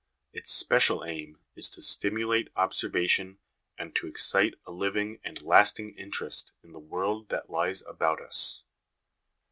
Its special aim is to stimulate observation and to excite a living and lasting interest in the world that lies about us.